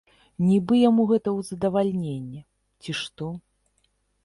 Нібы яму гэта ў задавальненне, ці што.